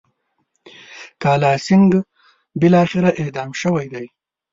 کالاسینګهـ بالاخره اعدام شوی دی.